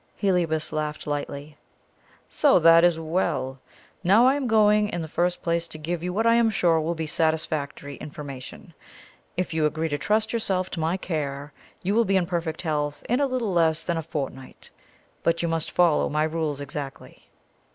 Heliobas laughed lightly. "So! that is well. Now I am going in the first place to give you what I am sure will be satisfactory information. If you agree to trust yourself to my care, you will be in perfect health in a little less than a fortnight but you must follow my rules exactly."